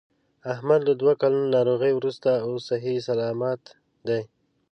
احمد له دوه کلونو ناروغۍ ورسته اوس صحیح صلامت دی.